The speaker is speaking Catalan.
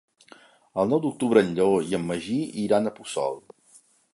El nou d'octubre en Lleó i en Magí iran a Puçol.